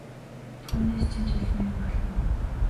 Түүнээс чинь ч илүү юм болно!